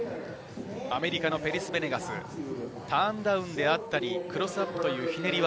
アメリカのペリス・ベネガス、ターンダウンやクロスアップというひねり技。